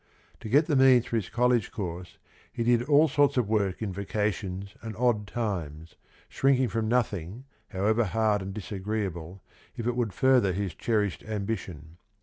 To get the means for his college course he did all sorts of work in vacations and odd times, shrinking from nothing however hard and disagreeable if it would further his cherished ambition.